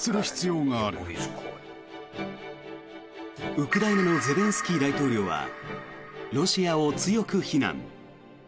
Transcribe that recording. ウクライナのゼレンスキー大統領はロシアを強く非難。